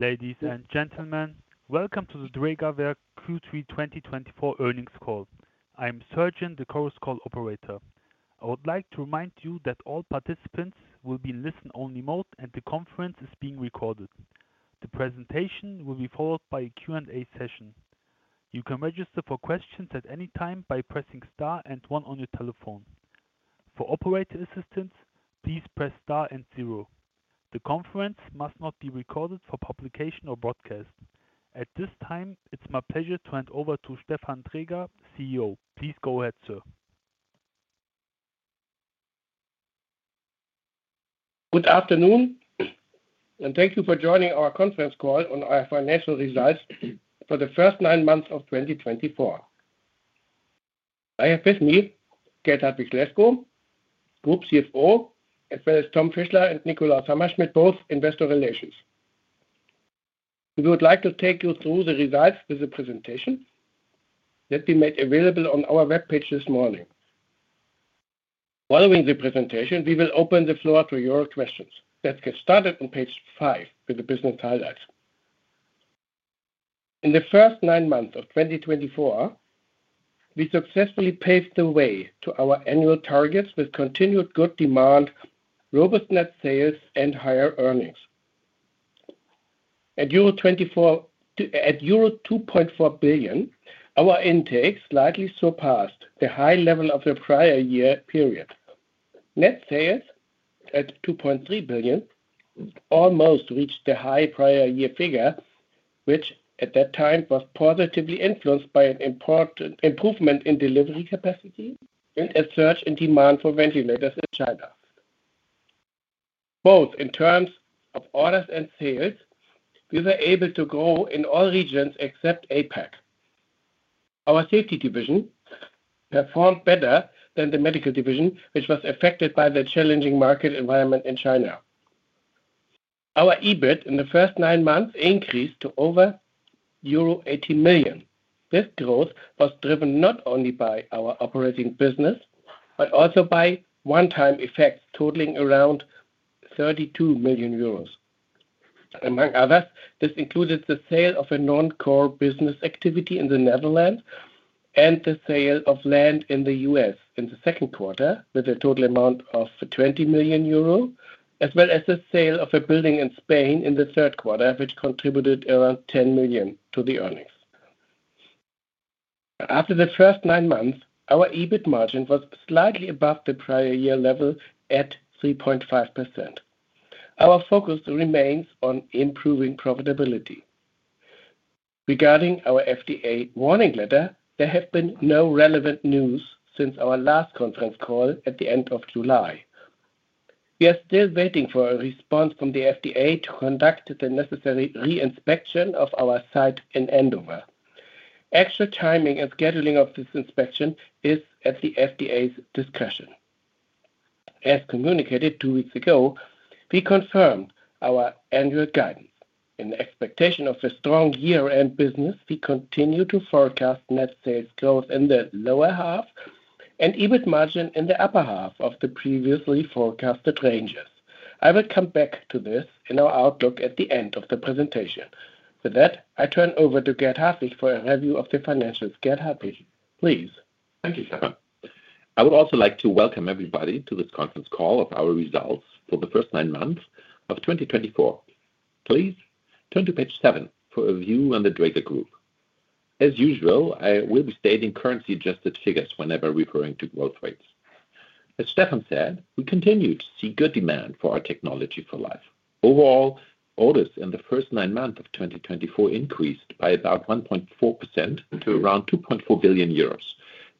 Ladies and gentlemen, welcome to the Drägerwerk Q3 2024 Earnings Call. I am Sarah, the conference operator. I would like to remind you that all participants will be in listen-only mode and the conference is being recorded. The presentation will be followed by a Q&A session. You can register for questions at any time by pressing star and one on your telephone. For operator assistance, please press star and zero. The conference must not be recorded for publication or broadcast. At this time, it's my pleasure to hand over to Stefan Dräger, CEO. Please go ahead, sir. Good afternoon, and thank you for joining our conference call on our financial results for the first nine months of 2024. I have with me Gert-Hartwig Lescow, Group CFO, as well as Tom Fischler and Nikolaus Hammerschmidt, both investor relations. We would like to take you through the results with the presentation that we made available on our web page this morning. Following the presentation, we will open the floor to your questions. Let's get started on page five with the business highlights. In the first nine months of 2024, we successfully paved the way to our annual targets with continued good demand, robust net sales, and higher earnings. At euro 2.4 billion, our intake slightly surpassed the high level of the prior year period. Net sales at 2.3 billion almost reached the high prior year figure, which at that time was positively influenced by an important improvement in delivery capacity and a surge in demand for ventilators in China. Both in terms of orders and sales, we were able to grow in all regions except APAC. Our safety division performed better than the medical division, which was affected by the challenging market environment in China. Our EBIT in the first nine months increased to over euro 18 million. This growth was driven not only by our operating business but also by one-time effects totaling around 32 million euros. Among others, this included the sale of a non-core business activity in the Netherlands and the sale of land in the US in the second quarter with a total amount of 20 million euro, as well as the sale of a building in Spain in the third quarter, which contributed around 10 million to the earnings. After the first nine months, our EBIT margin was slightly above the prior year level at 3.5%. Our focus remains on improving profitability. Regarding our FDA warning letter, there has been no relevant news since our last conference call at the end of July. We are still waiting for a response from the FDA to conduct the necessary re-inspection of our site in Andover. Actual timing and scheduling of this inspection is at the FDA's discretion. As communicated two weeks ago, we confirmed our annual guidance. In the expectation of a strong year-end business, we continue to forecast net sales growth in the lower half and EBIT margin in the upper half of the previously forecasted ranges. I will come back to this in our outlook at the end of the presentation. With that, I turn over to Gert-Hartwig for a review of the financials. Gert-Hartwig, please. Thank you, Stefan. I would also like to welcome everybody to this conference call of our results for the first nine months of 2024. Please turn to page seven for a view on the Dräger Group. As usual, I will be stating currency-adjusted figures whenever referring to growth rates. As Stefan said, we continue to see good demand for our Technology for Life. Overall, orders in the first nine months of 2024 increased by about 1.4% to around 2.4 billion euros,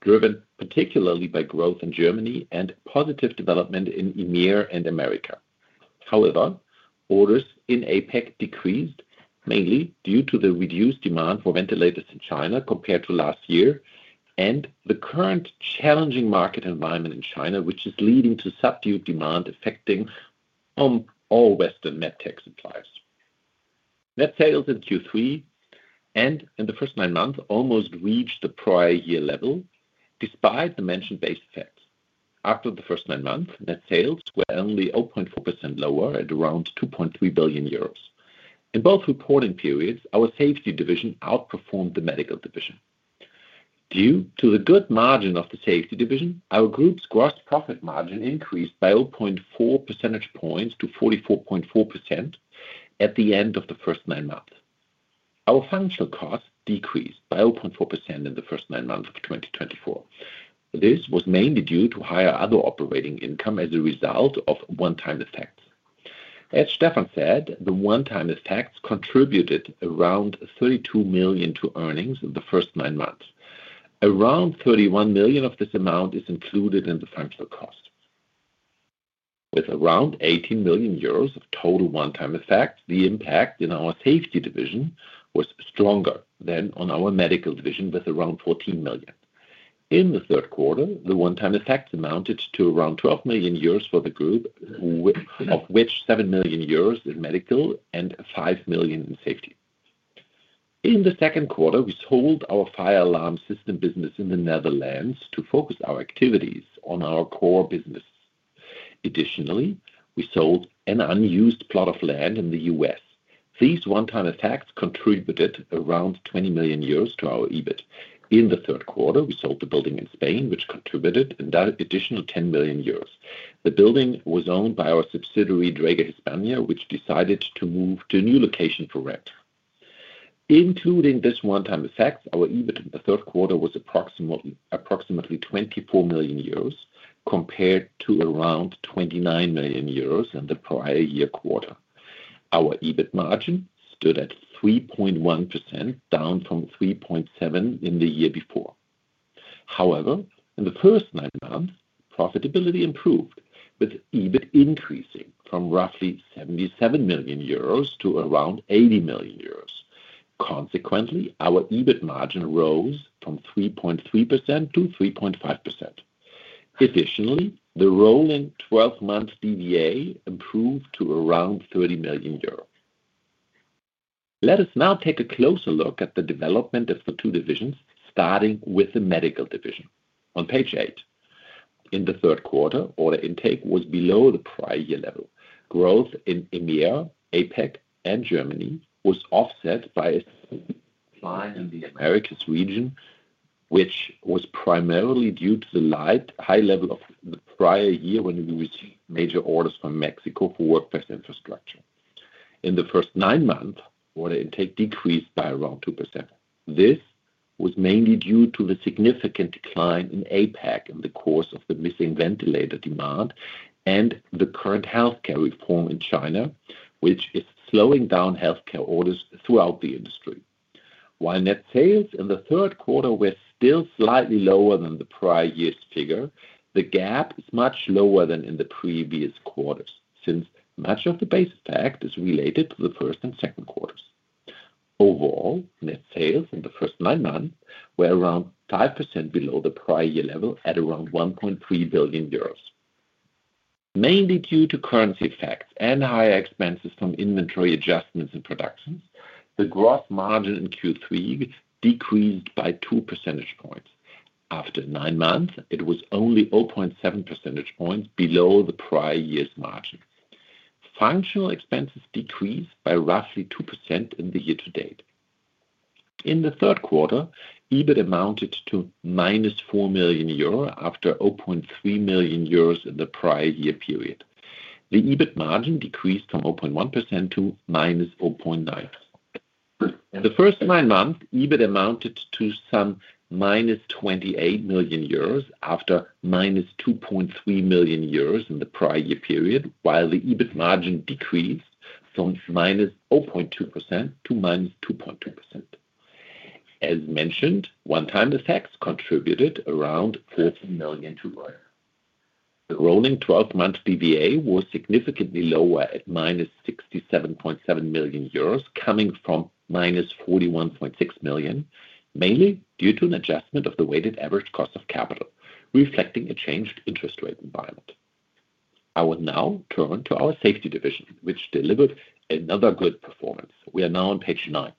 driven particularly by growth in Germany and positive development in EMEA and Americas. However, orders in APAC decreased mainly due to the reduced demand for ventilators in China compared to last year and the current challenging market environment in China, which is leading to subdued demand affecting all Western medtech suppliers. Net sales in Q3 and in the first nine months almost reached the prior year level despite the mentioned base effects. After the first nine months, net sales were only 0.4% lower at around 2.3 billion euros. In both reporting periods, our safety division outperformed the medical division. Due to the good margin of the safety division, our group's gross profit margin increased by 0.4 percentage points to 44.4% at the end of the first nine months. Our functional costs decreased by 0.4% in the first nine months of 2024. This was mainly due to higher other operating income as a result of one-time effects. As Stefan said, the one-time effects contributed around 32 million to earnings in the first nine months. Around 31 million of this amount is included in the functional cost. With around 18 million euros of total one-time effects, the impact in our safety division was stronger than on our medical division with around 14 million. In the third quarter, the one-time effects amounted to around 12 million euros for the group, of which 7 million euros in medical and 5 million in safety. In the second quarter, we sold our fire alarm system business in the Netherlands to focus our activities on our core business. Additionally, we sold an unused plot of land in the U.S. These one-time effects contributed around 20 million euros to our EBIT. In the third quarter, we sold the building in Spain, which contributed an additional 10 million euros. The building was owned by our subsidiary, Dräger Hispania, which decided to move to a new location for rent. Including this one-time effects, our EBIT in the third quarter was approximately 24 million euros compared to around 29 million euros in the prior year quarter. Our EBIT margin stood at 3.1%, down from 3.7% in the year before. However, in the first nine months, profitability improved, with EBIT increasing from roughly 77 million euros to around 80 million euros. Consequently, our EBIT margin rose from 3.3% to 3.5%. Additionally, the rolling 12-month DVA improved to around 30 million euros. Let us now take a closer look at the development of the two divisions, starting with the medical division. On page eight, in the third quarter, order intake was below the prior year level. Growth in EMEA, APAC, and Germany was offset by a decline in the Americas region, which was primarily due to the high level of the prior year when we received major orders from Mexico for workplace infrastructure. In the first nine months, order intake decreased by around 2%. This was mainly due to the significant decline in APAC in the course of the missing ventilator demand and the current healthcare reform in China, which is slowing down healthcare orders throughout the industry. While net sales in the third quarter were still slightly lower than the prior year's figure, the gap is much lower than in the previous quarters since much of the base effect is related to the first and second quarters. Overall, net sales in the first nine months were around 5% below the prior year level at around 1.3 billion euros. Mainly due to currency effects and higher expenses from inventory adjustments in production, the gross margin in Q3 decreased by 2 percentage points. After nine months, it was only 0.7 percentage points below the prior year's margin. Functional expenses decreased by roughly 2% in the year to date. In the third quarter, EBIT amounted to 4 million euro after 0.3 million euros in the prior year period. The EBIT margin decreased from 0.1% to 0.9%. In the first nine months, EBIT amounted to some 28 million euros after 2.3 million euros in the prior year period, while the EBIT margin decreased from 0.2% to 2.2%. As mentioned, one-time effects contributed around 40 million. The rolling 12-month DVA was significantly lower at 67.7 million euros, coming from 41.6 million, mainly due to an adjustment of the weighted average cost of capital, reflecting a changed interest rate environment. I will now turn to our safety division, which delivered another good performance. We are now on page nine.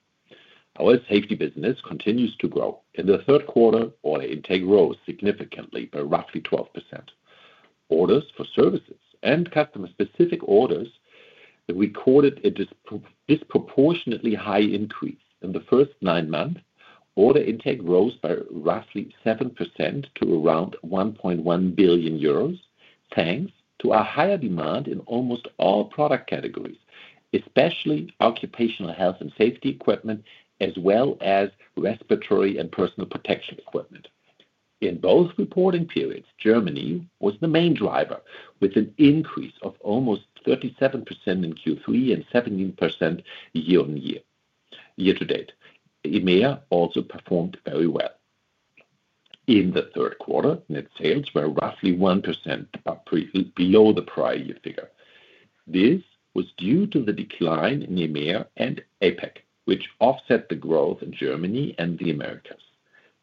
Our safety business continues to grow. In the third quarter, order intake rose significantly by roughly 12%. Orders for services and customer-specific orders recorded a disproportionately high increase. In the first nine months, order intake rose by roughly 7% to around 1.1 billion euros, thanks to our higher demand in almost all product categories, especially occupational health and safety equipment, as well as respiratory and personal protection equipment. In both reporting periods, Germany was the main driver, with an increase of almost 37% in Q3 and 17% year-on-year year to date. EMEA also performed very well. In the third quarter, net sales were roughly 1% below the prior year figure. This was due to the decline in EMEA and APAC, which offset the growth in Germany and the Americas.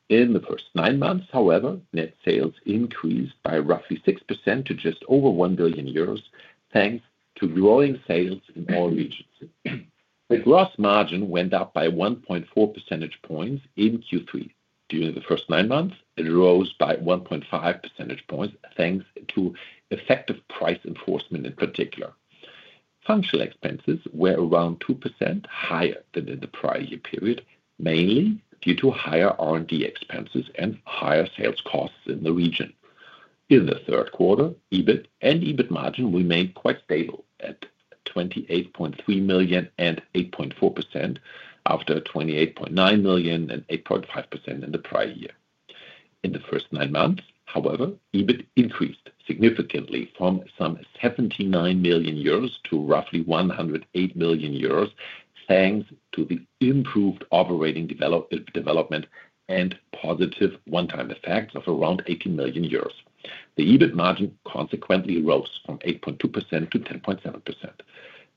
In the first nine months, however, net sales increased by roughly 6% to just over 1 billion euros, thanks to growing sales in all regions. The gross margin went up by 1.4 percentage points in Q3. During the first nine months, it rose by 1.5 percentage points, thanks to effective price enforcement in particular. Functional expenses were around 2% higher than in the prior year period, mainly due to higher R&D expenses and higher sales costs in the region. In the third quarter, EBIT and EBIT margin remained quite stable at 28.3 million and 8.4% after 28.9 million and 8.5% in the prior year. In the first nine months, however, EBIT increased significantly from some 79 million euros to roughly 108 million euros, thanks to the improved operating development and positive one-time effects of around 18 million euros. The EBIT margin consequently rose from 8.2% to 10.7%.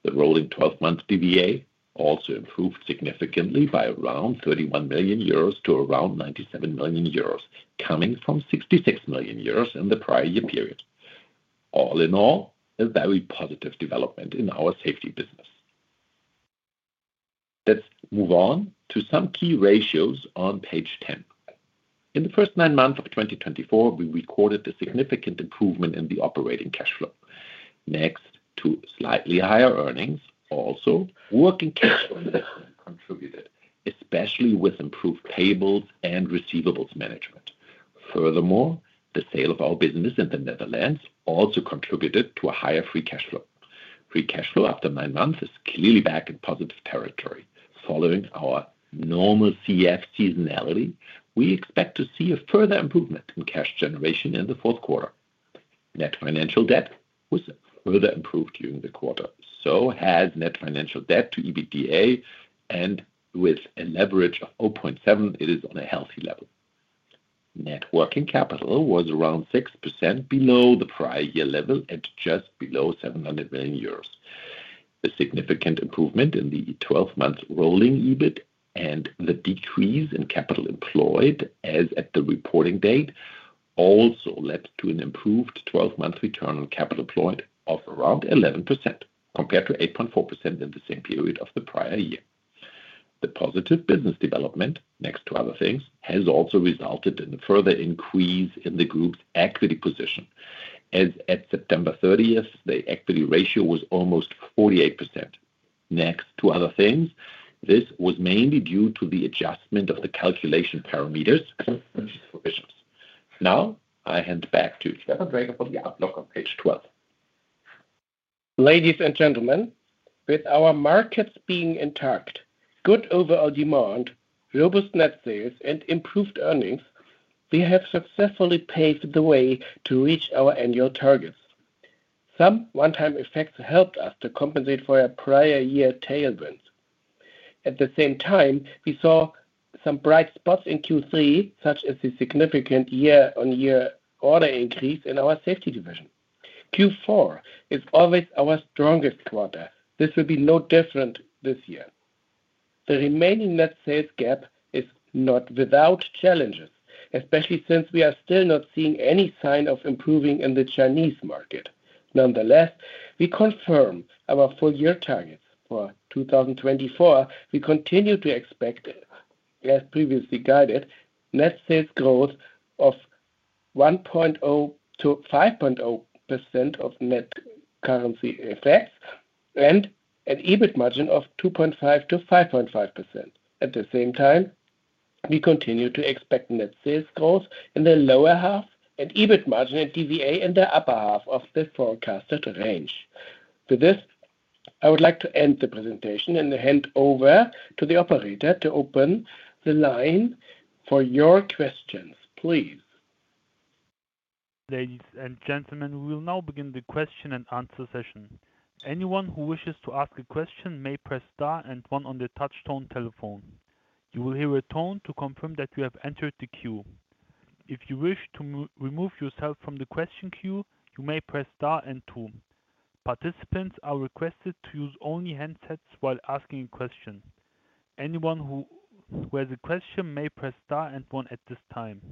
The rolling 12-month DVA also improved significantly by around 31 million euros to around 97 million euros, coming from 66 million euros in the prior year period. All in all, a very positive development in our safety business. Let's move on to some key ratios on page ten. In the first nine months of 2024, we recorded a significant improvement in the operating cash flow. Next to slightly higher earnings, also working cash flow contributed, especially with improved payables and receivables management. Furthermore, the sale of our business in the Netherlands also contributed to a higher free cash flow. Free cash flow after nine months is clearly back in positive territory. Following our normal CF seasonality, we expect to see a further improvement in cash generation in the fourth quarter. Net financial debt was further improved during the quarter, so has net financial debt to EBITDA, and with a leverage of 0.7, it is on a healthy level. Net working capital was around 6% below the prior year level at just below 700 million euros. The significant improvement in the 12-month rolling EBIT and the decrease in capital employed as at the reporting date also led to an improved 12-month return on capital employed of around 11% compared to 8.4% in the same period of the prior year. The positive business development, next to other things, has also resulted in a further increase in the group's equity position, as at September 30th, the equity ratio was almost 48%. Next to other things, this was mainly due to the adjustment of the calculation parameters for pensions. Now, I hand back to Stefan Dräger for the outlook of page 12. Ladies and gentlemen, with our markets being intact, good overall demand, robust net sales, and improved earnings, we have successfully paved the way to reach our annual targets. Some one-time effects helped us to compensate for our prior year tailwinds. At the same time, we saw some bright spots in Q3, such as the significant year-on-year order increase in our safety division. Q4 is always our strongest quarter. This will be no different this year. The remaining net sales gap is not without challenges, especially since we are still not seeing any sign of improving in the Chinese market. Nonetheless, we confirm our full-year targets for 2024. We continue to expect, as previously guided, net sales growth of 1.0% to 5.0% of net currency effects and an EBIT margin of 2.5% to 5.5%. At the same time, we continue to expect net sales growth in the lower half and EBIT margin and DVA in the upper half of the forecasted range. With this, I would like to end the presentation and hand over to the operator to open the line for your questions, please. Ladies and gentlemen, we will now begin the question and answer session. Anyone who wishes to ask a question may press star and one on the touch-tone telephone. You will hear a tone to confirm that you have entered the queue. If you wish to remove yourself from the question queue, you may press star and two. Participants are requested to use only handsets while asking a question. Anyone who has a question may press star and one at this time.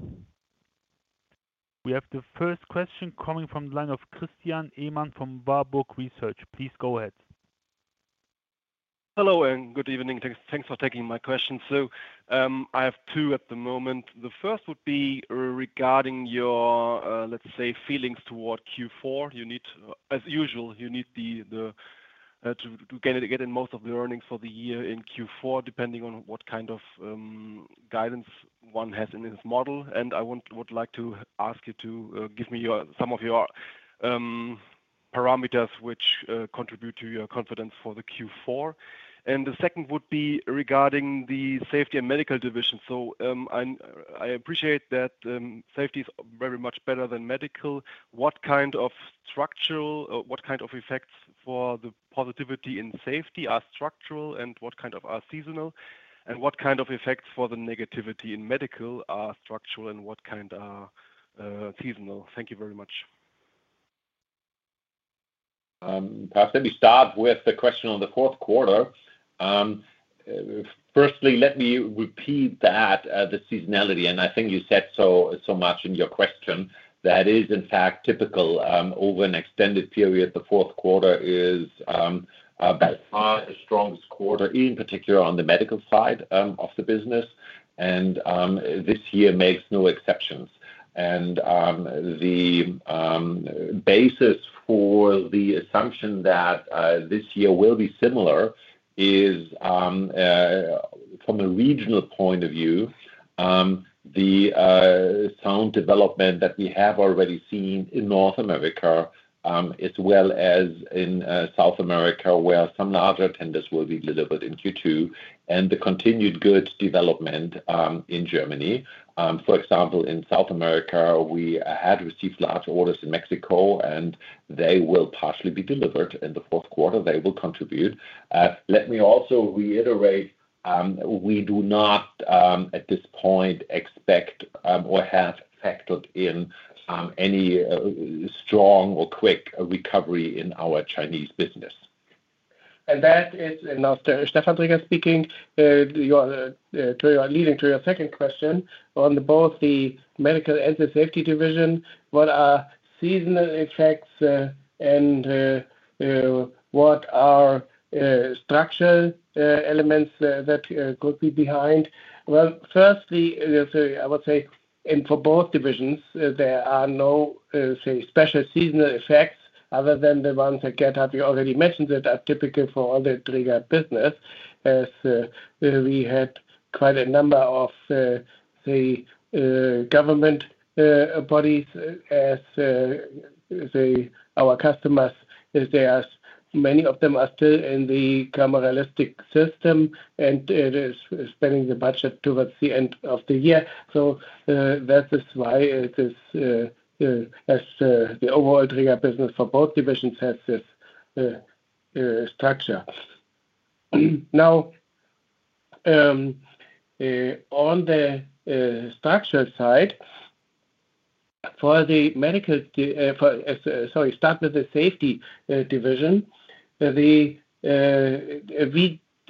We have the first question coming from the line of Christian Ehmann from Warburg Research. Please go ahead. Hello and good evening. Thanks for taking my question. So I have two at the moment. The first would be regarding your, let's say, feelings toward Q4. As usual, you need to get in most of the earnings for the year in Q4, depending on what kind of guidance one has in this model. And I would like to ask you to give me some of your parameters which contribute to your confidence for the Q4. And the second would be regarding the safety and medical division. So I appreciate that safety is very much better than medical. What kind of structural, what kind of effects for the positivity in safety are structural, and what kind of are seasonal? And what kind of effects for the negativity in medical are structural, and what kind are seasonal? Thank you very much. Perhaps let me start with the question of the fourth quarter. Firstly, let me repeat that, the seasonality, and I think you said so much in your question. That is, in fact, typical over an extended period. The fourth quarter is by far the strongest quarter, in particular on the medical side of the business, and this year makes no exceptions, and the basis for the assumption that this year will be similar is, from a regional point of view, the sound development that we have already seen in North America, as well as in South America, where some larger tenders will be delivered in Q2, and the continued good development in Germany. For example, in South America, we had received large orders in Mexico, and they will partially be delivered in the fourth quarter. They will contribute. Let me also reiterate, we do not, at this point, expect or have factored in any strong or quick recovery in our Chinese business. And that is, and now Stefan Dräger speaking, leading to your second question. On both the medical and the safety division, what are seasonal effects and what are structural elements that could be behind? Well, firstly, I would say, and for both divisions, there are no, say, special seasonal effects other than the ones that Gert-Hartwig already mentioned that are typical for all the Dräger business. As we had quite a number of, say, government bodies, as, say, our customers, many of them are still in the calendrical system and spending the budget towards the end of the year. So that is why the overall Dräger business for both divisions has this structure. Now, on the structure side, for the medical, sorry, start with the safety division. We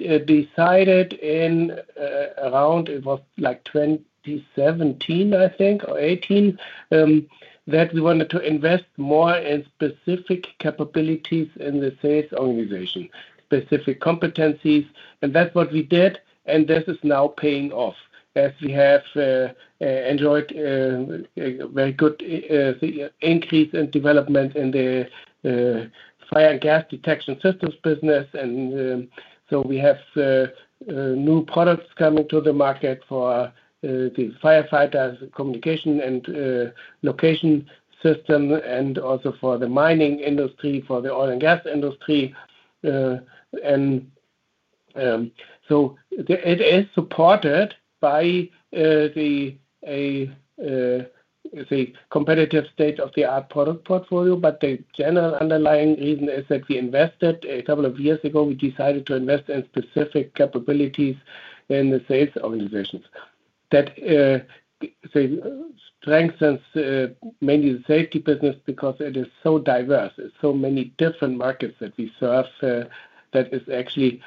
decided in around 2017, I think, or 2018, that we wanted to invest more in specific capabilities in the sales organization, specific competencies. And that's what we did. And this is now paying off, as we have enjoyed a very good increase in development in the fire and gas detection systems business. And so we have new products coming to the market for the firefighter communication and location system, and also for the mining industry, for the oil and gas industry. And so it is supported by the competitive state-of-the-art product portfolio. But the general underlying reason is that we invested a couple of years ago. We decided to invest in specific capabilities in the sales organizations. That strengthens mainly the safety business because it is so diverse. It's so many different markets that we serve that is actually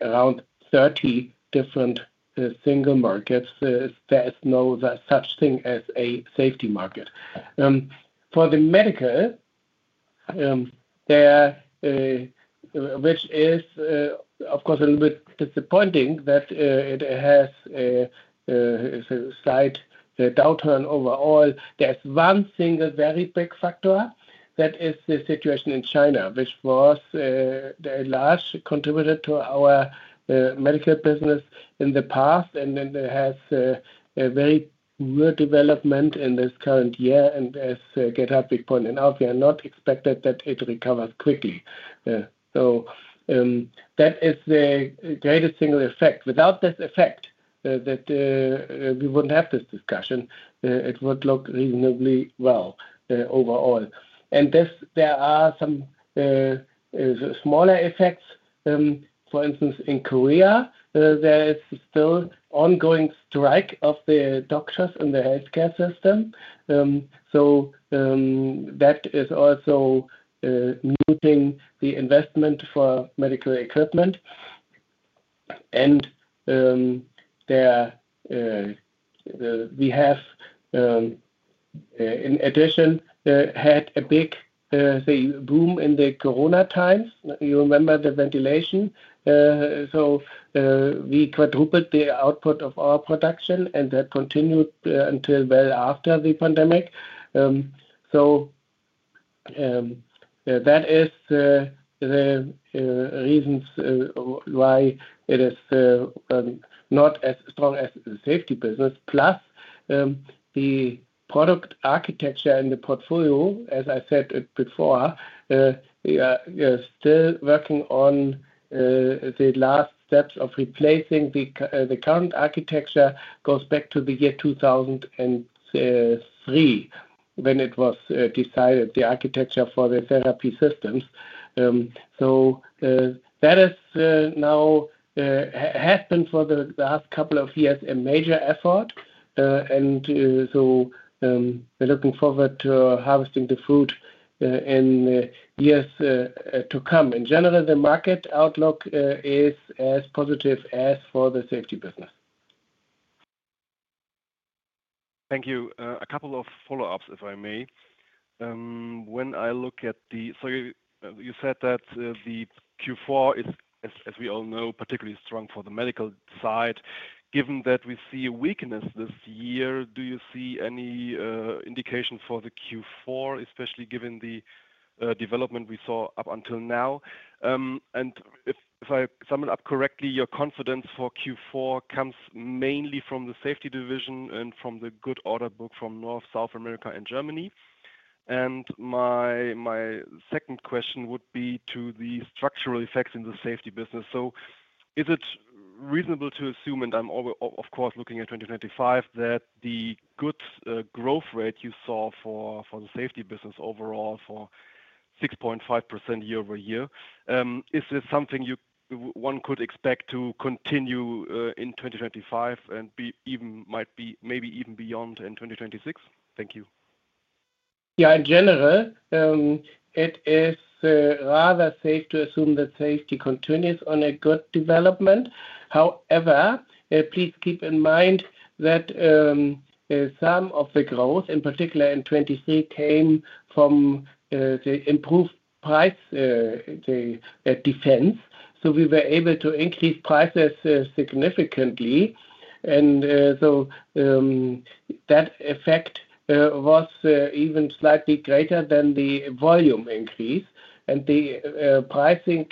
around 30 different single markets. There is no such thing as a safety market. For the medical, which is, of course, a little bit disappointing that it has a slight downturn overall, there's one single very big factor. That is the situation in China, which was a large contributor to our medical business in the past, and then it has a very poor development in this current year, and as Gert-Hartwig pointed out, we are not expected that it recovers quickly, so that is the greatest single effect. Without this effect, we wouldn't have this discussion. It would look reasonably well overall, and there are some smaller effects. For instance, in Korea, there is still ongoing strike of the doctors in the healthcare system. So that is also muting the investment for medical equipment. We have, in addition, had a big boom in the corona times. You remember the ventilation. We quadrupled the output of our production, and that continued until well after the pandemic. That is the reasons why it is not as strong as the safety business. Plus, the product architecture and the portfolio, as I said before, we are still working on the last steps of replacing the current architecture. It goes back to the year 2003 when it was decided, the architecture for the therapy systems. That has now happened for the last couple of years, a major effort. We're looking forward to harvesting the fruit in the years to come. In general, the market outlook is as positive as for the safety business. Thank you. A couple of follow-ups, if I may. When I look at the, sorry, you said that the Q4 is, as we all know, particularly strong for the medical side. Given that we see a weakness this year, do you see any indication for the Q4, especially given the development we saw up until now? And if I sum it up correctly, your confidence for Q4 comes mainly from the safety division and from the good order book from North, South America, and Germany. And my second question would be to the structural effects in the safety business. So is it reasonable to assume, and I'm of course looking at 2025, that the good growth rate you saw for the safety business overall for 6.5% year over year, is this something one could expect to continue in 2025 and even might be maybe even beyond in 2026? Thank you. Yeah, in general, it is rather safe to assume that safety continues on a good development. However, please keep in mind that some of the growth, in particular in 2023, came from the improved price defense. So we were able to increase prices significantly. And so that effect was even slightly greater than the volume increase. And the pricing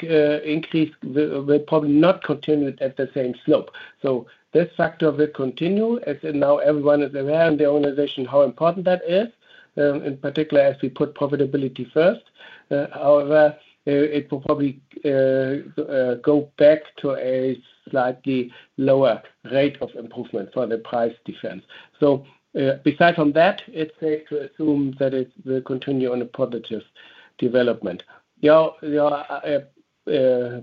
increase will probably not continue at the same slope. So this factor will continue, as now everyone is aware in the organization how important that is, in particular as we put profitability first. However, it will probably go back to a slightly lower rate of improvement for the price defense. So aside from that, it's safe to assume that it will continue on a positive development. Your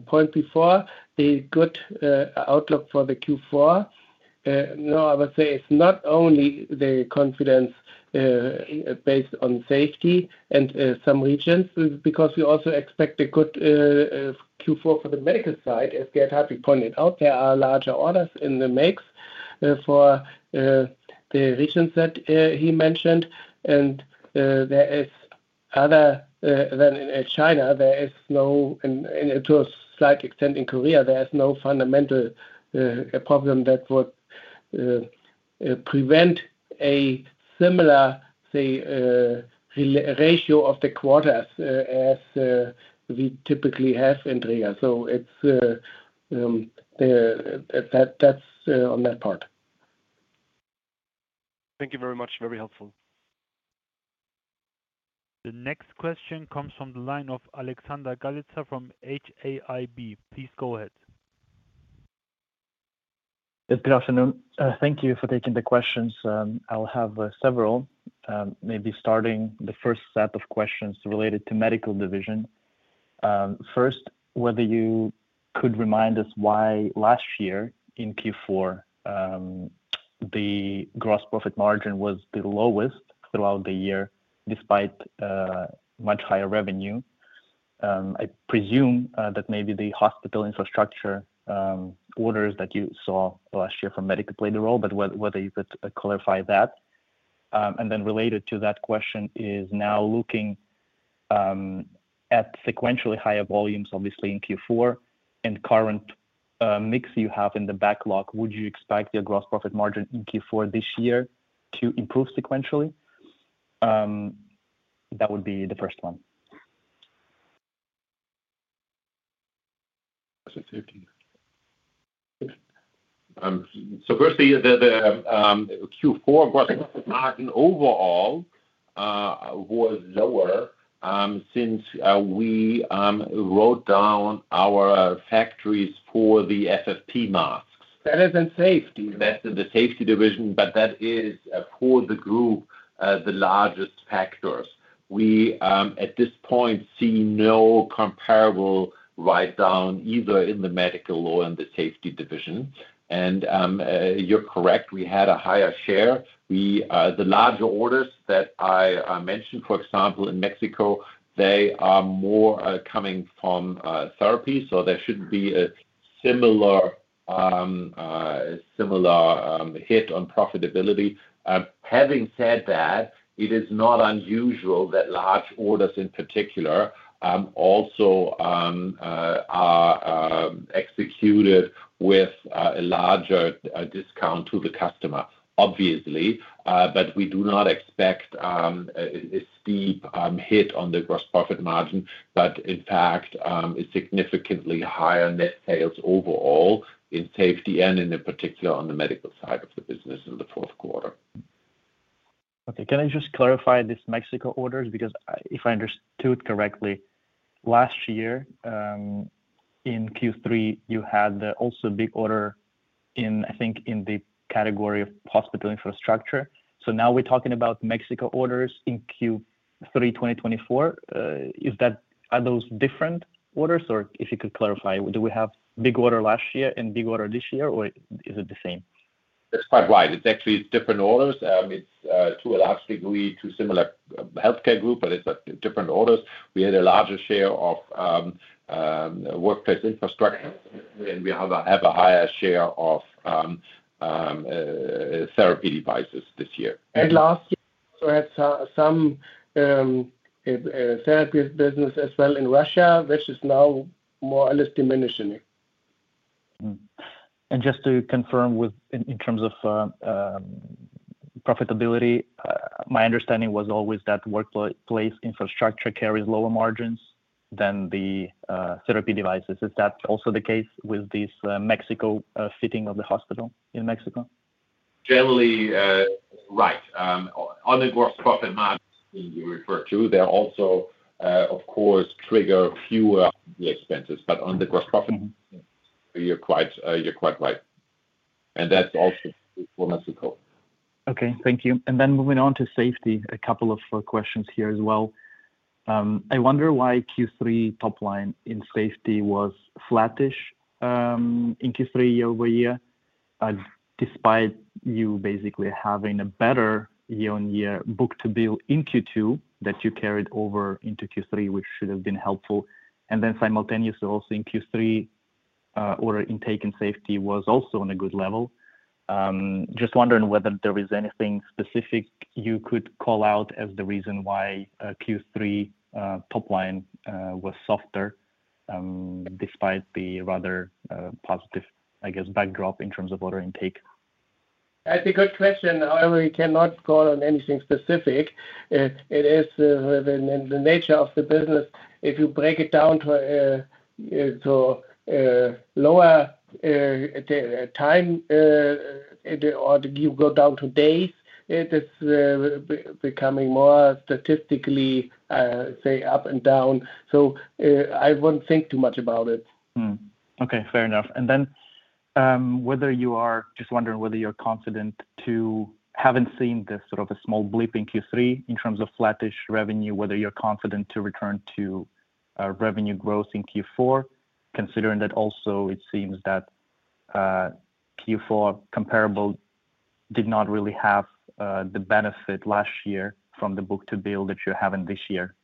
point before, the good outlook for the Q4, I would say it's not only the confidence based on safety and some regions, because we also expect a good Q4 for the medical side. As Gert-Hartwig pointed out, there are larger orders in the mix for the regions that he mentioned. And there is other than in China, there is no, and to a slight extent in Korea, there is no fundamental problem that would prevent a similar ratio of the quarters as we typically have in Dräger. So that's on that part. Thank you very much. Very helpful. The next question comes from the line of Alexander Galitsa from HAIB. Please go ahead. Good afternoon. Thank you for taking the questions. I'll have several, maybe starting the first set of questions related to medical division. First, whether you could remind us why last year in Q4 the gross profit margin was the lowest throughout the year despite much higher revenue. I presume that maybe the hospital infrastructure orders that you saw last year from medical played a role, but whether you could clarify that. And then related to that question is now looking at sequentially higher volumes, obviously in Q4, and current mix you have in the backlog, would you expect your gross profit margin in Q4 this year to improve sequentially? That would be the first one. So firstly, the Q4 gross profit margin overall was lower since we wrote down our factories for the FFP masks. That is in safety. That's in the safety division, but that is for the group the largest factors. We, at this point, see no comparable write-down either in the medical or in the safety division, and you're correct, we had a higher share. The larger orders that I mentioned, for example, in Mexico, they are more coming from therapy, so there should be a similar hit on profitability. Having said that, it is not unusual that large orders in particular also are executed with a larger discount to the customer, obviously, but we do not expect a steep hit on the gross profit margin, but in fact, a significantly higher net sales overall in safety and in particular on the medical side of the business in the fourth quarter. Okay. Can I just clarify these Mexico orders? Because if I understood correctly, last year in Q3, you had also a big order in, I think, in the category of hospital infrastructure. So now we're talking about Mexico orders in Q3 2024. Are those different orders? Or if you could clarify, do we have big order last year and big order this year, or is it the same? That's quite right. It's actually different orders. It's to a large degree to similar healthcare group, but it's different orders. We had a larger share of workplace infrastructure, and we have a higher share of therapy devices this year. Last year, we also had some therapy business as well in Russia, which is now more or less diminishing. Just to confirm in terms of profitability, my understanding was always that workplace infrastructure carries lower margins than the therapy devices. Is that also the case with this Mexico fitting of the hospital in Mexico? Generally, right. On the gross profit margin you refer to, they also, of course, trigger fewer expenses. But on the gross profit, you're quite right. And that's also for Mexico. Okay. Thank you. And then moving on to safety, a couple of questions here as well. I wonder why Q3 top line in safety was flattish in Q3 year over year, despite you basically having a better year-on-year book-to-bill in Q2 that you carried over into Q3, which should have been helpful. And then simultaneously also in Q3, order intake in safety was also on a good level. Just wondering whether there is anything specific you could call out as the reason why Q3 top line was softer despite the rather positive, I guess, backdrop in terms of order intake. That's a good question. I really cannot call on anything specific. It is the nature of the business. If you break it down to lower time or you go down to days, it is becoming more statistically, I'd say, up and down. So I wouldn't think too much about it. Okay. Fair enough. And then whether you are just wondering whether you're confident to haven't seen this sort of a small blip in Q3 in terms of flattish revenue, whether you're confident to return to revenue growth in Q4, considering that also it seems that Q4 comparable did not really have the benefit last year from the book-to-bill that you're having this year.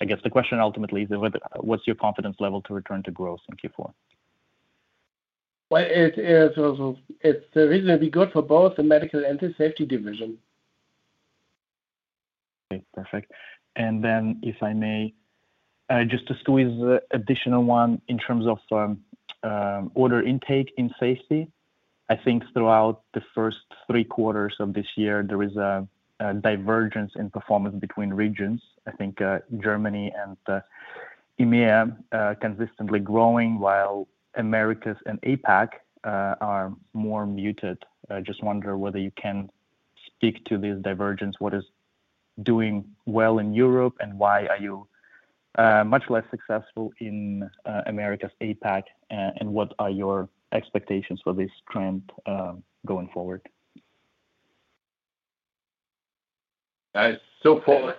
I guess the question ultimately is, what's your confidence level to return to growth in Q4? Well, it's reasonably good for both the medical and the safety division. Okay. Perfect. And then if I may, just to squeeze the additional one in terms of order intake in safety, I think throughout the first three quarters of this year, there is a divergence in performance between regions. I think Germany and EMEA consistently growing, while Americas and APAC are more muted. Just wonder whether you can speak to this divergence. What is doing well in Europe and why are you much less successful in Americas and APAC, and what are your expectations for this trend going forward? So for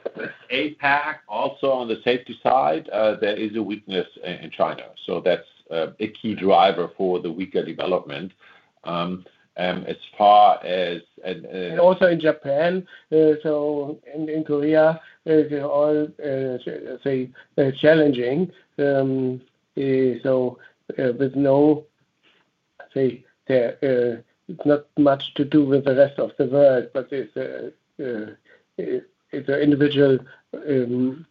APAC, also on the safety side, there is a weakness in China. So that's a key driver for the weaker development. And as far as— Also in Japan, so— and Korea, there is, say, challenging. There's no, say—there is not much to do with the rest of the world, but it's an individual challenge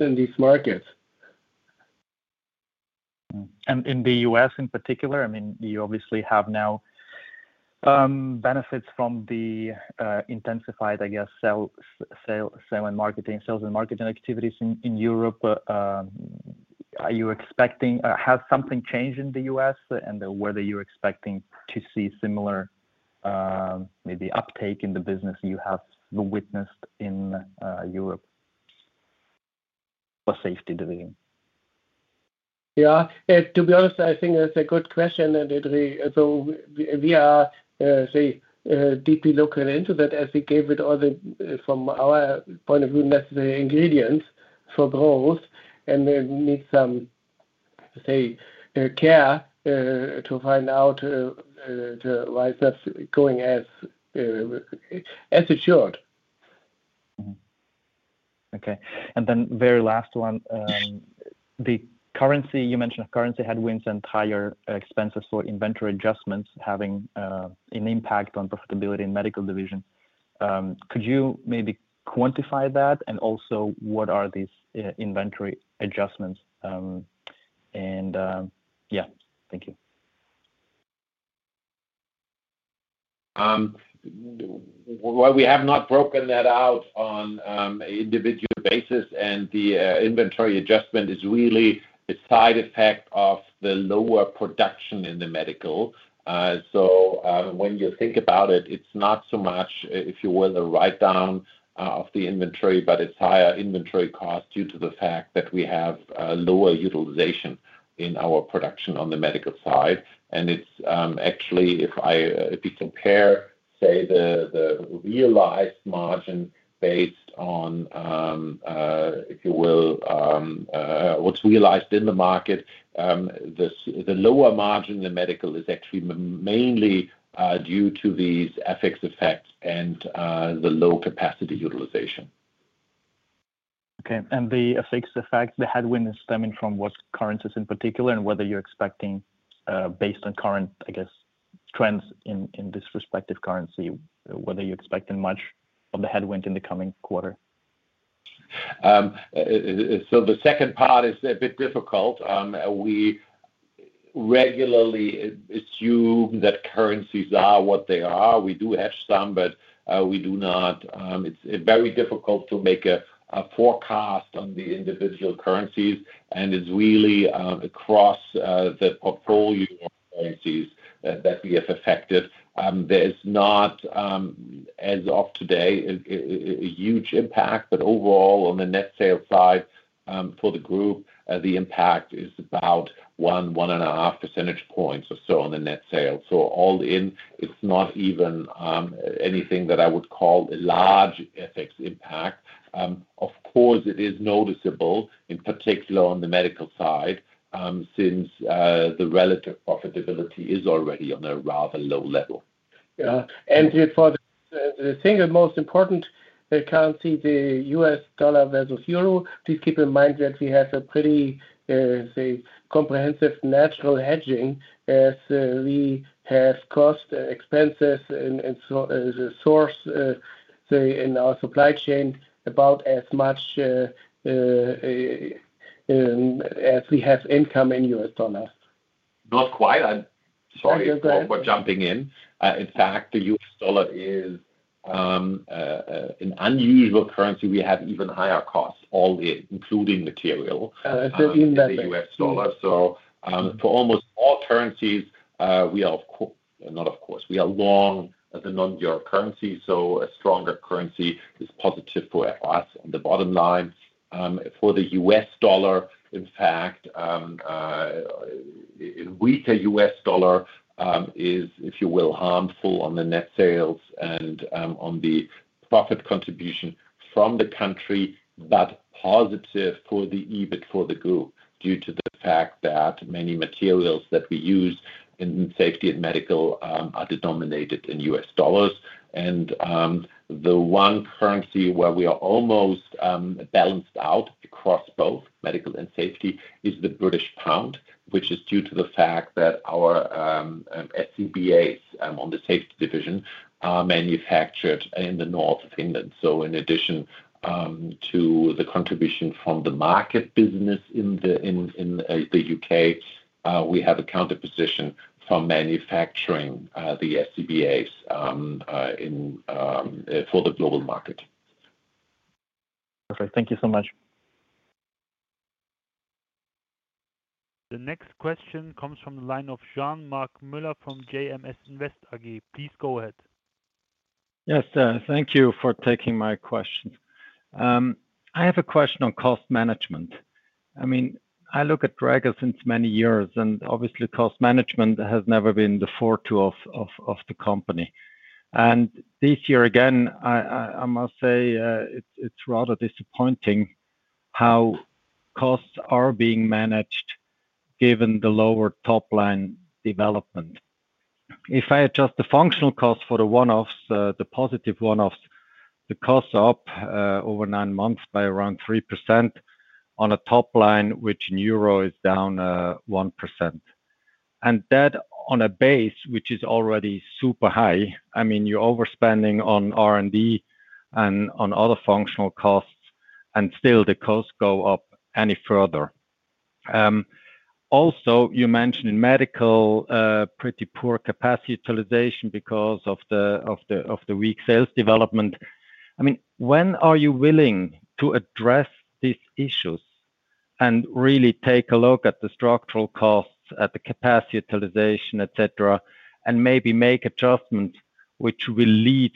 in these markets. In the US in particular, I mean, you obviously have now benefits from the intensified, I guess, sales and marketing activities in Europe. Are you expecting has something changed in the US, and whether you're expecting to see similar maybe uptake in the business you have witnessed in Europe for safety division? Yeah. To be honest, I think that's a good question so we are, say, deeply looking into that as we gave it all the, from our point of view, necessary ingredients for growth and need some, say, care to find out why it's not going as it should. Okay. And then very last one, the currency, you mentioned currency headwinds and higher expenses for inventory adjustments having an impact on profitability in medical division. Could you maybe quantify that? And also what are these inventory adjustments? And yeah, thank you. We have not broken that out on an individual basis. The inventory adjustment is really a side effect of the lower production in the medical. When you think about it, it's not so much, if you will, the write-down of the inventory, but it's higher inventory cost due to the fact that we have lower utilization in our production on the medical side. It's actually, if we compare, say, the realized margin based on, if you will, what's realized in the market, the lower margin in the medical is actually mainly due to these FX effects and the low-capacity utilization. Okay. And the FX effect, the headwind, is stemming from what currencies in particular and whether you're expecting, based on current, I guess, trends in this respective currency, whether you're expecting much of the headwind in the coming quarter? So the second part is a bit difficult. We regularly assume that currencies are what they are. We do have some, but we do not—it's very difficult to make a forecast on the individual currencies. And it's really across the portfolio of currencies that we have affected. There is not, as of today, a huge impact. But overall, on the net sales side for the group, the impact is about one to one and a half percentage points or so on the net sales. So all in, it's not even anything that I would call a large FX impact. Of course, it is noticeable, in particular on the medical side, since the relative profitability is already on a rather low level. Yeah. And the single most important currency, the U.S. dollar versus euro, please keep in mind that we have a pretty, say, comprehensive natural hedging as we have cost expenses and source, say, in our supply chain about as much as we have income in U.S. dollars. Not quite. I'm sorry for jumping in. In fact, the U.S. dollar is an unusual currency. We have even higher costs all in, including material. I said even better. In the U.S. dollar. So for almost all currencies, we are, of course, long as a non-European currency. So a stronger currency is positive for us on the bottom line. For the U.S. dollar, in fact, a weaker U.S. dollar is, if you will, harmful on the net sales and on the profit contribution from the country, but positive for the EBIT for the group due to the fact that many materials that we use in safety and medical are denominated in U.S. dollars. The one currency where we are almost balanced out across both medical and safety is the British pound, which is due to the fact that our SCBAs on the safety division are manufactured in the North of England. In addition to the contribution from the market business in the U.K., we have a counterposition from manufacturing the SCBAs for the global market. Perfect. Thank you so much. The next question comes from the line of Jean-Marc Müller from JMS Invest AG. Please go ahead. Yes. Thank you for taking my question. I have a question on cost management. I mean, I look at Dräger since many years, and obviously, cost management has never been the forte of the company. And this year again, I must say, it's rather disappointing how costs are being managed given the lower top line development. If I adjust the functional cost for the one-offs, the positive one-offs, the costs are up over nine months by around 3% on a top line, which in EUR is down 1%. And that on a base, which is already super high, I mean, you're overspending on R&D and on other functional costs, and still the costs go up any further. Also, you mentioned in medical, pretty poor capacity utilization because of the weak sales development. I mean, when are you willing to address these issues and really take a look at the structural costs, at the capacity utilization, etc., and maybe make adjustments which will lead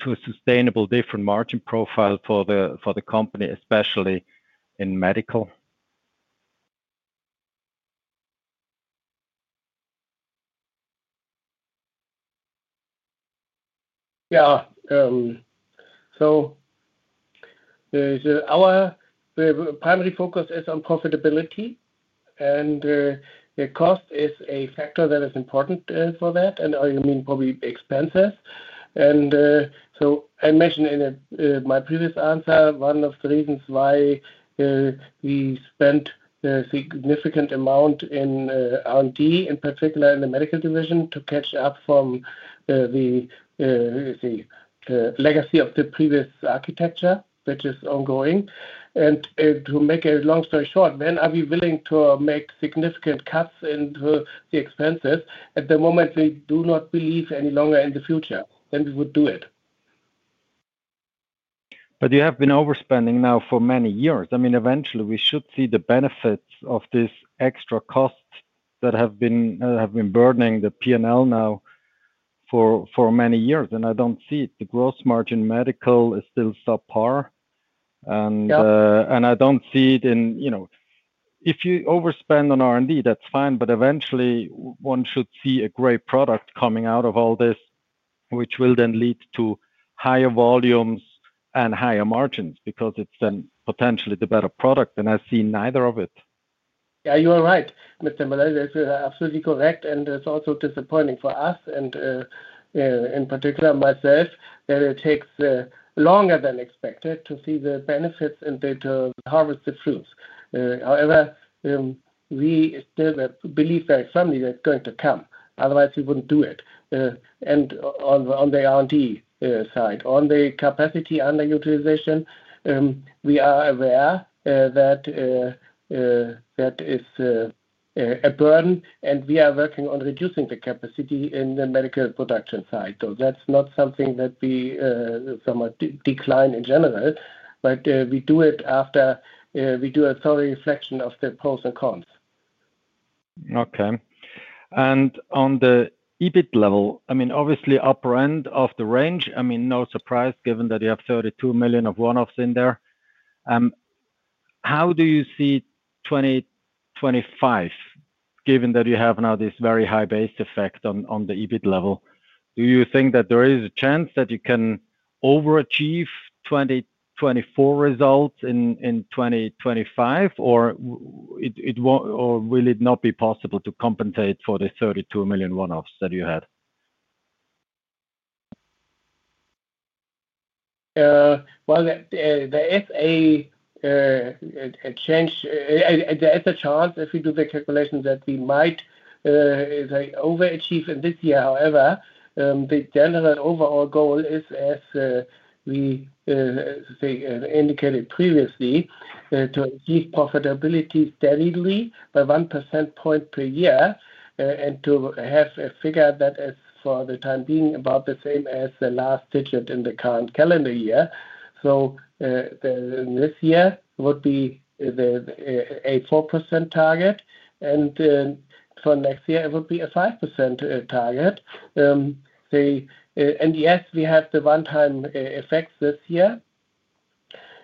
to a sustainable different margin profile for the company, especially in medical? Yeah, so our primary focus is on profitability, and cost is a factor that is important for that, and I mean probably expenses, and so I mentioned in my previous answer, one of the reasons why we spent a significant amount in R&D, in particular in the medical division, to catch up from the legacy of the previous architecture, which is ongoing, and to make a long story short, when are we willing to make significant cuts into the expenses? At the moment, we do not believe any longer in the future that we would do it. But you have been overspending now for many years. I mean, eventually, we should see the benefits of these extra costs that have been burning the P&L now for many years. And I don't see it. The gross margin medical is still subpar. And I don't see it. If you overspend on R&D, that's fine. But eventually, one should see a great product coming out of all this, which will then lead to higher volumes and higher margins because it's then potentially the better product. And I've seen neither of it. Yeah. You are right, Mr. Müller. That's absolutely correct. And it's also disappointing for us, and in particular, myself, that it takes longer than expected to see the benefits and to harvest the fruits. However, we still believe very firmly that it's going to come. Otherwise, we wouldn't do it. And on the R&D side, on the capacity under utilization, we are aware that that is a burden. And we are working on reducing the capacity in the medical production side. So that's not something that we somewhat decline in general, but we do it after we do a thorough reflection of the pros and cons. Okay. And on the EBIT level, I mean, obviously, upper end of the range, I mean, no surprise given that you have 32 million of one-offs in there. How do you see 2025, given that you have now this very high base effect on the EBIT level? Do you think that there is a chance that you can overachieve 2024 results in 2025, or will it not be possible to compensate for the 32 million one-offs that you had? There is a chance if we do the calculations that we might overachieve in this year. However, the general overall goal is, as we indicated previously, to achieve profitability steadily by 1% point per year and to have a figure that is, for the time being, about the same as the last digit in the current calendar year. This year would be a 4% target. For next year, it would be a 5% target. Yes, we have the one-time effects this year.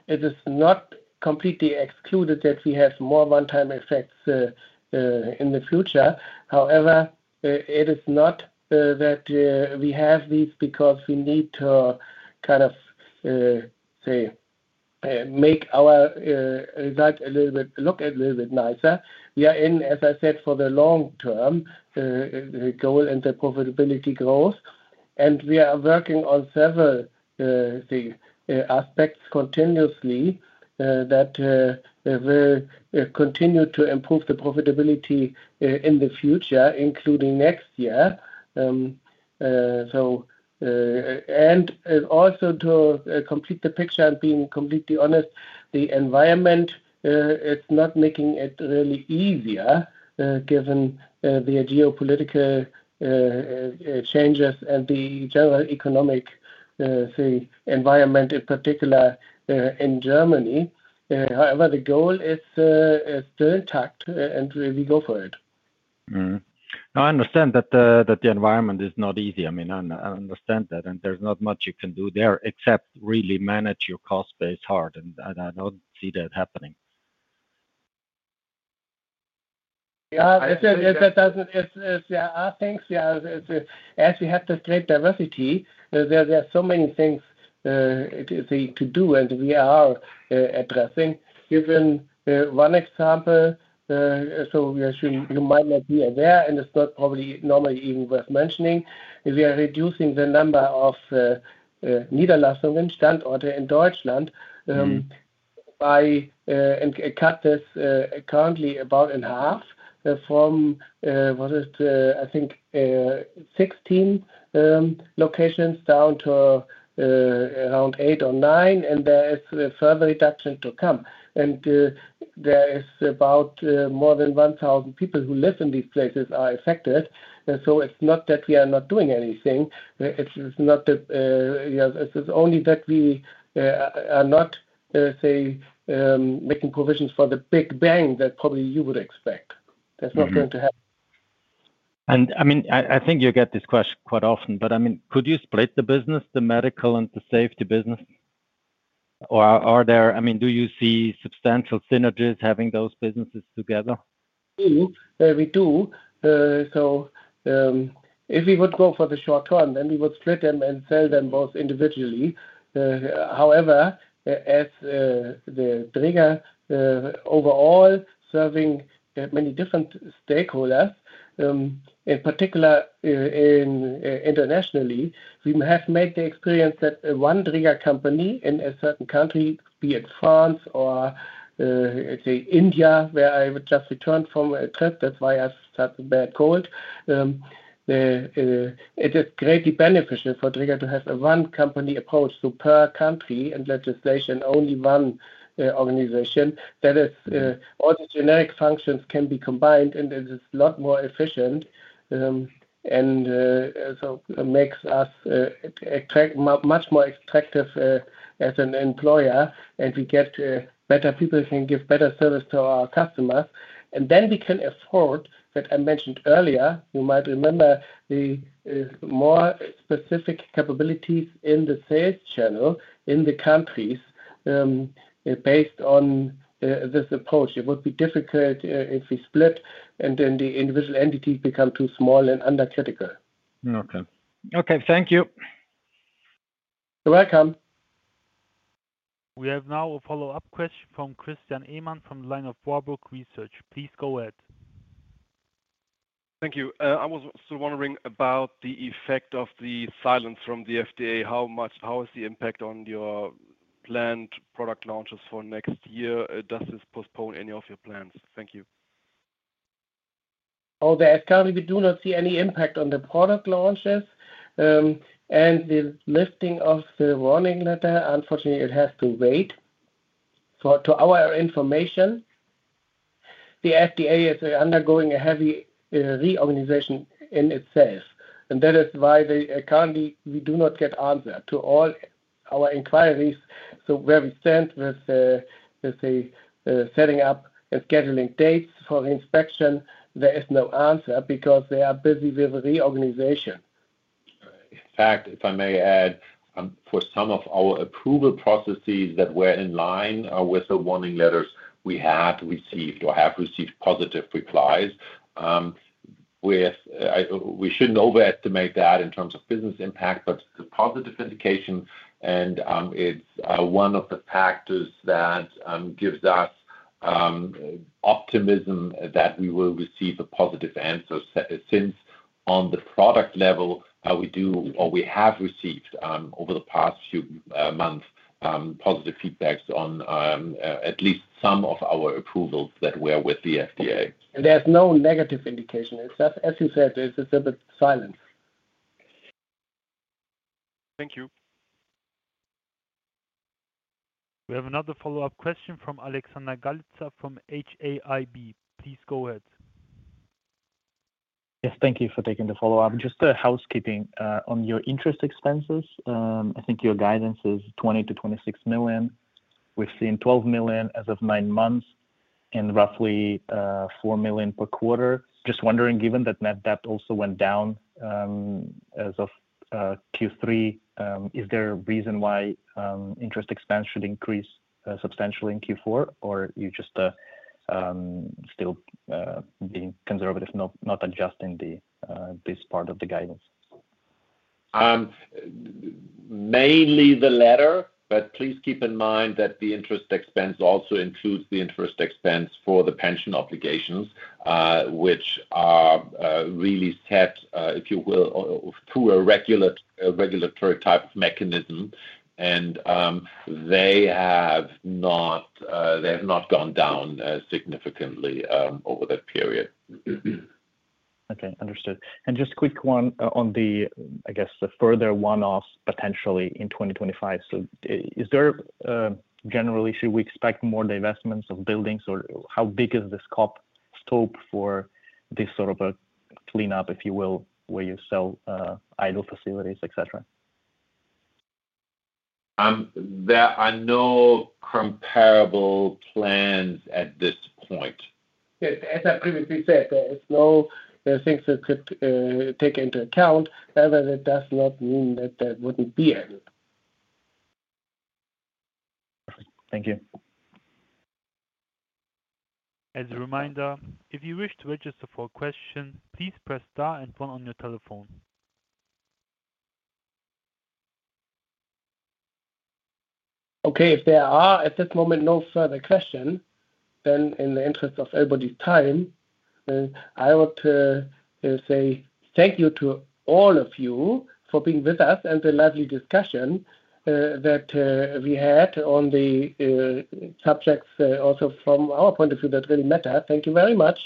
It is not completely excluded that we have more one-time effects in the future. However, it is not that we have these because we need to kind of, say, make our result look a little bit nicer. We are in, as I said, for the long-term goal and the profitability growth. We are working on several aspects continuously that will continue to improve the profitability in the future, including next year. Also, to complete the picture, and being completely honest, the environment is not making it really easier given the geopolitical changes and the general economic, say, environment, in particular in Germany. However, the goal is still intact, and we go for it. I understand that the environment is not easy. I mean, I understand that. And there's not much you can do there except really manage your cost base hard. And I don't see that happening. Yeah. Yeah. I think, yeah, as we have this great diversity, there are so many things to do, and we are addressing. Given one example, so you might not be aware, and it's not probably normally even worth mentioning. We are reducing the number of Niederlassungen-Standorte in Deutschland by and cut this currently about in half from, what is it, I think, 16 locations down to around eight or nine. And there is further reduction to come. And there is about more than 1,000 people who live in these places are affected. So it's not that we are not doing anything. It's not that it's only that we are not, say, making provisions for the big bang that probably you would expect. That's not going to happen. I mean, I think you get this question quite often, but I mean, could you split the business, the medical and the safety business? Or are there, I mean, do you see substantial synergies having those businesses together? We do. So if we would go for the short term, then we would split them and sell them both individually. However, as the Dräger overall serving many different stakeholders, in particular internationally, we have made the experience that one Dräger company in a certain country, be it France or, say, India, where I just returned from a trip, that's why I caught a bad cold, it is greatly beneficial for Dräger to have a one-company approach. So per country and legislation, only one organization. That is, all the generic functions can be combined, and it is a lot more efficient, and so it makes us much more attractive as an employer, and we get better people who can give better service to our customers. And then we can afford that I mentioned earlier. You might remember the more specific capabilities in the sales channel in the countries based on this approach. It would be difficult if we split, and then the individual entities become too small and are typical. Okay. Okay. Thank you. You're welcome. We have now a follow-up question from Christian Ehmann from the line of Warburg Research. Please go ahead. Thank you. I was still wondering about the effect of the silence from the FDA. How is the impact on your planned product launches for next year? Does this postpone any of your plans? Thank you. Oh, there is currently we do not see any impact on the product launches, and the lifting of the warning letter, unfortunately, it has to wait. To our information, the FDA is undergoing a heavy reorganization in itself, and that is why currently we do not get answer to all our inquiries, so where we stand with, let's say, setting up and scheduling dates for the inspection, there is no answer because they are busy with reorganization. In fact, if I may add, for some of our approval processes that were in line with the warning letters, we had received or have received positive replies. We shouldn't overestimate that in terms of business impact, but the positive indication, and it's one of the factors that gives us optimism that we will receive a positive answer since on the product level, we do or we have received over the past few months positive feedbacks on at least some of our approvals that were with the FDA. There's no negative indication. It's just, as you said, there's a bit of silence. Thank you. We have another follow-up question from Alexander Galitsa from HAIB. Please go ahead. Yes. Thank you for taking the follow-up. Just housekeeping on your interest expenses. I think your guidance is 20 to 26 million. We've seen 12 million as of nine months and roughly 4 million per quarter. Just wondering, given that net debt also went down as of Q3, is there a reason why interest expense should increase substantially in Q4, or are you just still being conservative, not adjusting this part of the guidance? Mainly the latter, but please keep in mind that the interest expense also includes the interest expense for the pension obligations, which are really set, if you will, through a regulatory type of mechanism. And they have not gone down significantly over that period. Okay. Understood. And just a quick one on the, I guess, the further one-offs potentially in 2025. So is there generally, should we expect more divestments of buildings, or how big is the scope for this sort of a cleanup, if you will, where you sell idle facilities, etc.? There are no comparable plans at this point. As I previously said, there are no things to take into account. However, that does not mean that there wouldn't be any. Perfect. Thank you. As a reminder, if you wish to register for a question, please press star and one on your telephone. Okay. If there are at this moment no further questions, then in the interest of everybody's time, I would say thank you to all of you for being with us and the lively discussion that we had on the subjects also from our point of view that really matter. Thank you very much,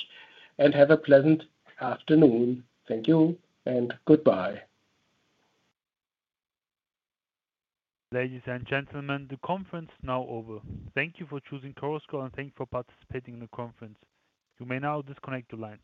and have a pleasant afternoon. Thank you and goodbye. Ladies and gentlemen, the conference is now over. Thank you for choosing Chorus Call, and thank you for participating in the conference. You may now disconnect your lines.